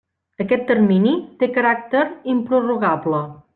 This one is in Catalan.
Aquest termini té caràcter improrrogable.